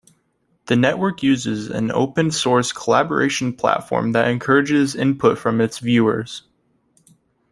The network uses an open-source collaboration platform that encourages input from its viewers.